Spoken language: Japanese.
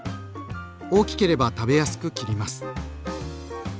大きければ食べやすく切ります。